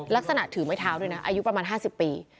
ถือไม้เท้าด้วยนะอายุประมาณ๕๐ปี